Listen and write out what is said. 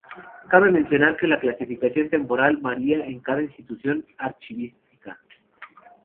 Cabe mencionar que la clasificación temporal varía en cada institución archivística.